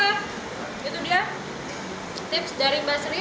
itu dia tips dari mbak sri